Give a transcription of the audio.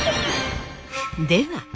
では